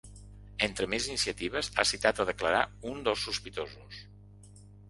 Entre més iniciatives, ha citat a declarar un dels sospitosos.